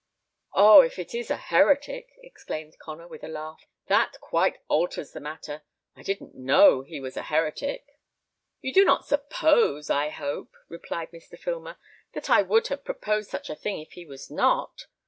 "Oh! if it is a heretic!" exclaimed Connor, with a laugh, "that quite alters the matter; I didn't know he was a heretic." "You do not suppose, I hope," replied Mr. Filmer, "that I would have proposed such a thing if he was not.